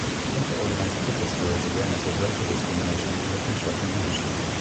He also organized pickets to raise awareness of racial discrimination in the construction industry.